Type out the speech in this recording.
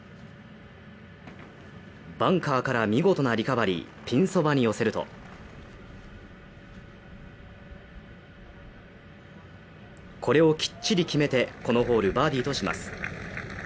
バンカーから見事なリカバリーピンそばに寄せるとこれをきっちり決めて、このホールバーディーとします。